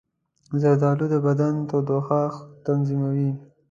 زردالو د بدن تودوخه تنظیموي.